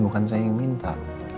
bukan saya yang minta